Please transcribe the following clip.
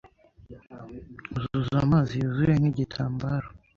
Nkuzuza amazi yuzuye nkigitambaro